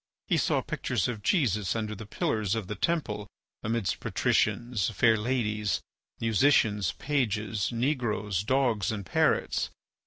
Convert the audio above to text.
He saw pictures of Jesus under the pillars of the temple amidst patricians, fair ladies, musicians, pages, negroes, dogs, and parrots.